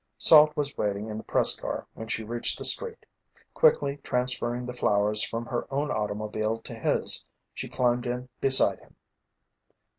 Salt was waiting in the press car when she reached the street. Quickly transferring the flowers from her own automobile to his, she climbed in beside him.